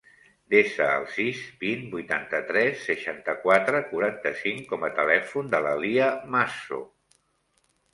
Desa el sis, vint, vuitanta-tres, seixanta-quatre, quaranta-cinc com a telèfon de la Lia Masso.